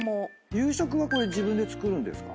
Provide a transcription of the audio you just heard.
夕食は自分で作るんですか？